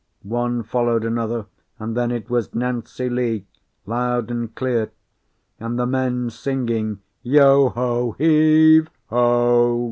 One followed another, and then it was "Nancy Lee," loud and clear, and the men singing "Yo ho, heave ho!"